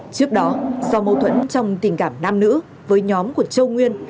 trước đó do mâu thuẫn trong tình cảm nam nữ với nhóm của châu nguyên